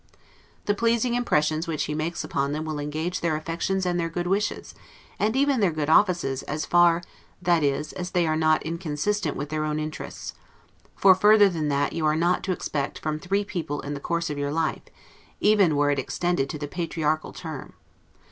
The pleasing impressions which he makes upon them will engage their affections and their good wishes, and even their good offices as far (that is) as they are not inconsistent with their own interests; for further than that you are not to expect from three people in the course of your life, even were it extended to the patriarchal term.